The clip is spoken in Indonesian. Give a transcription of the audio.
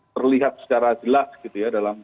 terlihat secara jelas gitu ya dalam